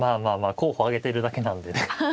候補挙げているだけなんでね。